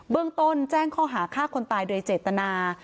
เรื่องต้นแจ้งข้อหาฆ่าคนตายโดยเจตนา